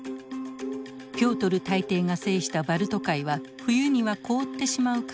ピョートル大帝が制したバルト海は冬には凍ってしまうからでした。